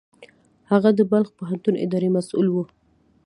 هغه د بلخ پوهنتون اداري مسوول و.